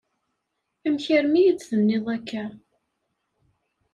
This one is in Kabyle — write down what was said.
Amek armi i d-tenniḍ akka?